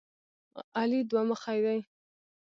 علي دوه مخی دی.